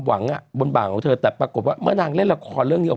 หวังอ่ะบนบ่างของเธอแต่ปรากฏว่าเมื่อนางเล่นละครเรื่องเดียว